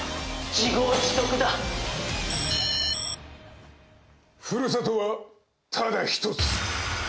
自業自得だふるさとはただ１つ！